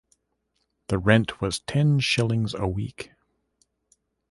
The rent was ten shillings a week.